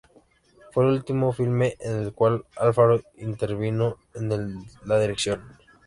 Fue el único filme en el cual Alfaro intervino en la dirección.